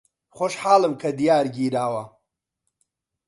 خۆشحاڵم کە دیار گیراوە.